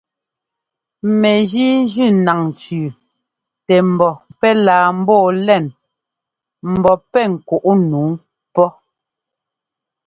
Nɛgíi jʉ́ naŋ tsʉ́ʉ tɛ mbɔ pɛ́ laa ḿbɔɔ lɛŋ ḿbɔ́ pɛ́ kuꞌ nǔu pɔ́.